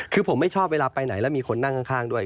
คือผมไม่ชอบเวลาไปไหนแล้วมีคนนั่งข้างด้วย